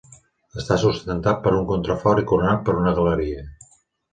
Està sustentat per un contrafort i coronat per una galeria.